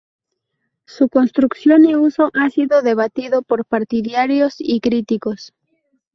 Su construcción y uso ha sido debatido por partidarios y críticos.